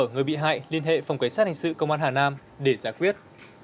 người bị hại liên hệ phòng quý sát hành sự công an hà nam để giải quyết